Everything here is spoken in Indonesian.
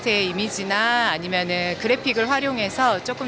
dengan imajinasi atau grafik dari artis digital